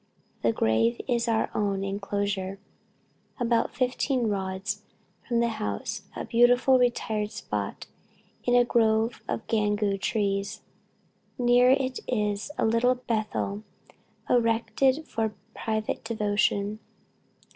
The grave is in our own enclosure, about fifteen rods from the house a beautiful retired spot, in a grove of Gangau trees. Near it is a little Bethel, erected for private devotion.